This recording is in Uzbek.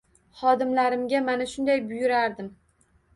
Xodimlarimga mana shunday buyurardim